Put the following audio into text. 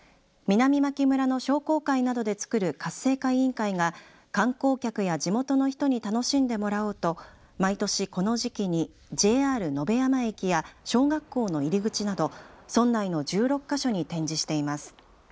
南牧村の商工会などでつくる活性化委員会が観光客や地元の人に楽しんでもらおうと毎年この時期にＪＲ野辺山駅や小学校の入り口など村内の１６か所に展示しています。